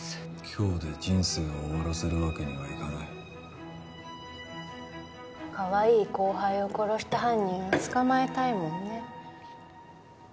今日で人生を終わらせるわけにはいかないかわいい後輩を殺した犯人を捕まえたいもんね